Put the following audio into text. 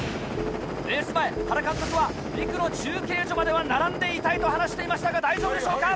レース前原監督は２区の中継所までは並んでいたいと話していましたが大丈夫でしょうか？